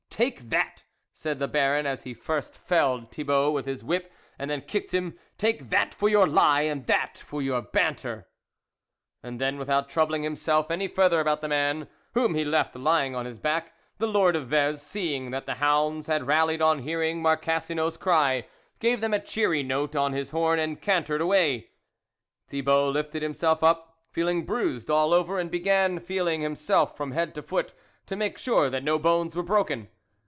" Take that " said the Baron, as he first felled Thibault with his whip, and then kicked him, " take that for your lie, and that for your banter !" And then, without troubling himself any further about the man, whom he left lying on his back, the Lord of Vez, seeing that the hounds had rallied on hearing Marcassino's cry, gave them a cheery note on his horn, and cantered away. Thibault lifted himself up, feeling bruised all over, and began feeling him self from head to foot to make sure that no bones were broken.